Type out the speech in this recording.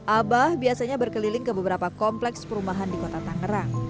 abah biasanya berkeliling ke beberapa kompleks perumahan di kota tangerang